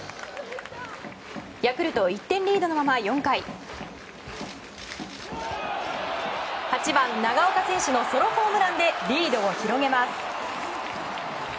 ヤクルト、１点リードのまま４回８番、長岡選手のソロホームランでリードを広げます。